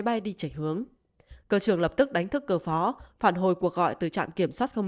bay bị đẩy hướng cơ trưởng lập tức đánh thức cơ phó phản hồi cuộc gọi từ trạm kiểm soát không